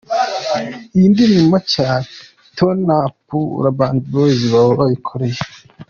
Iyi ndirimbo nshya 'Turn Up' Urban Boys na Babo bayikoreye.